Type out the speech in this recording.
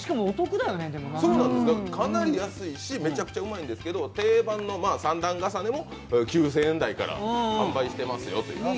だからかなり安いし、めちゃくちゃうまいんですけど、定番の３段重ねも９０００円台から販売していますよという。